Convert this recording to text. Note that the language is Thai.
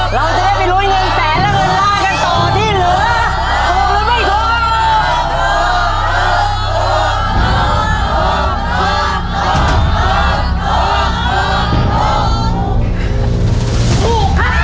เราจะได้ไปลุ้นเงินแสนและเงินล่ากันต่อที่เหลือถูกหรือไม่ถูก